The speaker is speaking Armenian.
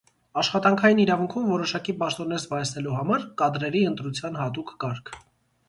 Աշխատանքային իրավունքում որոշակի պաշտոններ զբաղեցնելու համար կադրերի ընտրության հատուկ կարգ։